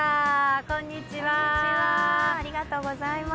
こんにちは、ありがとうございます。